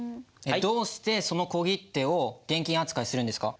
どうしてその小切手を現金扱いするんですか？